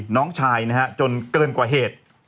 น้องชายนะฮะจนเกินกว่าเหตุ